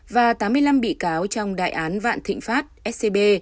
và tám mươi năm bị cáo trong đại án vạn thịnh pháp scb